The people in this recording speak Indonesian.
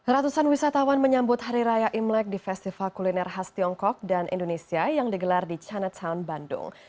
ratusan wisatawan menyambut hari raya imlek di festival kuliner khas tiongkok dan indonesia yang digelar di chinatown bandung